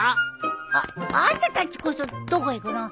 あっあんたたちこそどこ行くの？